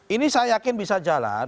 ini saya yakin bisa jalan